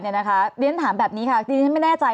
ดิฉันถามแบบนี้ที่ดิฉันไม่แน่ใจ